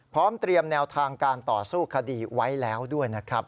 พร้อมเตรียมแนวทางการต่อสู้คดีไว้แล้วด้วยนะครับ